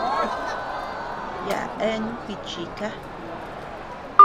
Yaʼa eanu jichikaa.